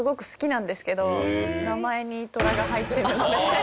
名前にトラが入ってるので。